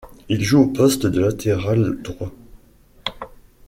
Il joue au poste de latéral droit.